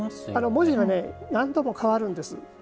文字が何度も変わるんです。